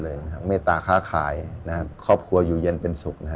และมีผักแต่งเมตตาค่าขายนะครอบครัวอยู่เย็นเป็นสุขนะฮะ